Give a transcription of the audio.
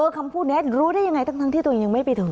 คำพูดนี้รู้ได้ยังไงทั้งที่ตัวเองยังไม่ไปถึง